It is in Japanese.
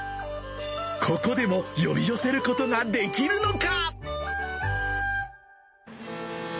ここでも呼び寄せることができるのか。